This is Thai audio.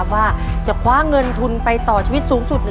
ว่าจะคว้าเงินทุนไปต่อชีวิตสูงสุด